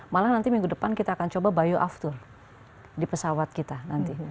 malah nanti minggu depan kita akan coba bioaftur di pesawat kita nanti